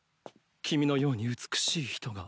君のように美しい人が。